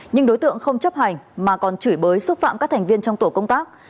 nhưng đối tượng không chấp hành mà còn chửi bới xúc phạm các thành viên trong tổ công tác